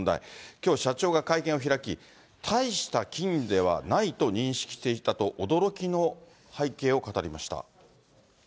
きょう、社長が会見を開き、大した菌ではないと認識していたと、驚きの背景を語りました。